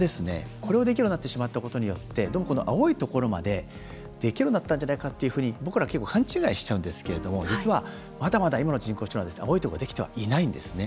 これを、できるようになってしまったことによってどうも、この青いところまでできるようになったんじゃないかっていうふうに僕ら結構勘違いしちゃうんですけれども実は、まだまだ今の人工知能は青いところできてはいないんですね。